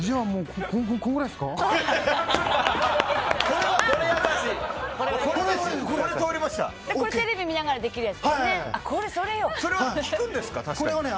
これはテレビ見ながらできるやつだね。